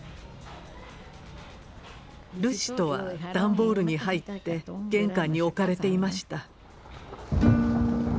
ルシトは段ボールに入って玄関に置かれていました。